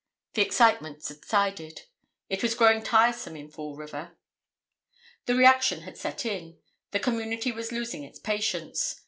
The excitement subsided. It was growing tiresome in Fall River. The reaction had set in, the community was losing its patience.